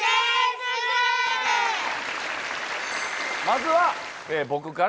まずは。